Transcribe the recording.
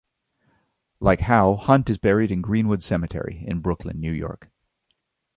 Like Howe, Hunt is buried in Green-Wood Cemetery in Brooklyn, New York.